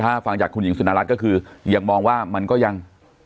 ถ้าฟังจากคุณหญิงสุนรัฐก็คือยังมองว่ามันก็ยัง